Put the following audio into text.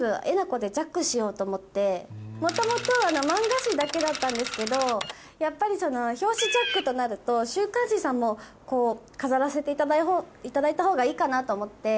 元々漫画誌だけだったんですけどやっぱり表紙ジャックとなると週刊誌さんも飾らせていただいたほうがいいかなと思って。